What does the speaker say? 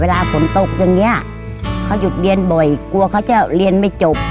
เวลาฝนตกอย่างนี้เขาหยุดเรียนบ่อยกลัวเขาจะเรียนไม่จบ